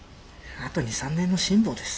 あと２３年の辛抱です。